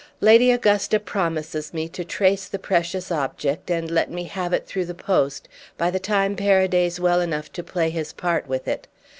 Lady Augusta promises me to trace the precious object and let me have it through the post by the time Paraday's well enough to play his part with it.